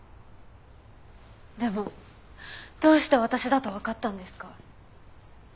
でもどうして私だとわかったんですか？